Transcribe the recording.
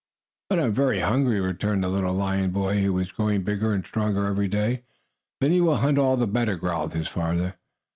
"But I am very hungry," returned the little lion boy, who was growing bigger and stronger every day. "Then you will hunt all the better," growled his father.